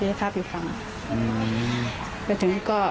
เราก็ดึง